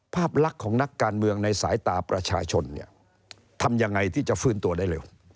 ภาพลักษณ์ของนักการเมืองในสายตาประชาชนเนี่ยทำยังไงที่จะฟื้นตัวได้เร็ว